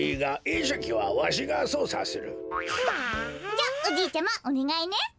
じゃおじいちゃまおねがいね。